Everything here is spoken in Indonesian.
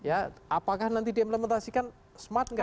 apakah nanti diimplementasikan smart nggak